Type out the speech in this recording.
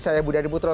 saya budi adibutro